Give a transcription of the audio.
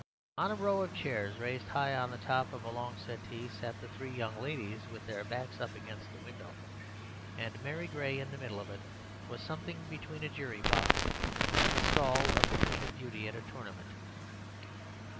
On a row of chairs raised high on the top of a long settee sat the three young ladies with their backs up against the window, and Mary Gray in the middle; it was something between a jury box and the stall of the Queen of Beauty at a tournament.